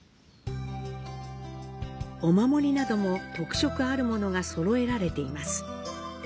お守りなども特色あるものが揃えられています。